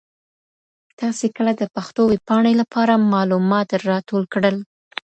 تاسي کله د پښتو ویب پاڼې لپاره معلومات راټول کړل؟